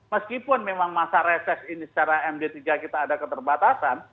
meskipun memang masa reses ini secara md tiga kita ada keterbatasan